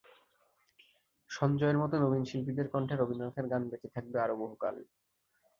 সঞ্জয়ের মতো নবীন শিল্পীদের কণ্ঠে রবীন্দ্রনাথের গান বেঁচে থাকবে আরও বহুকাল।